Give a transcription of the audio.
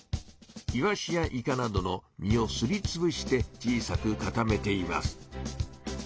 イワシやイカなどの身をすりつぶして小さく固めています。